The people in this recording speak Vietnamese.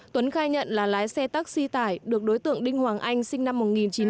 tuấn khai nhận là lái xe taxi tải được đối tượng đinh hoàng anh sinh năm một nghìn chín trăm tám mươi